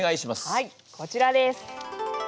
はいこちらです。